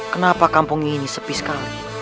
kenapa kampung ini sepi sekali